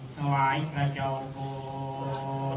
สวัสดีทุกคน